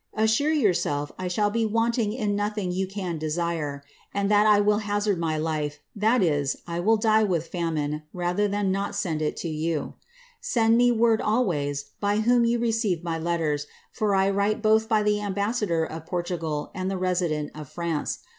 Jsturt yourtelf I thaU bt wanting in nothing you can detirt, and thM ( Witt haxard my life^ that is^ I will dit with famine^ rather than not itnd it to ym^ Send me word, always, by whom you receive my letters, for I write both bytks ambassador of Portugal, and the resident of France.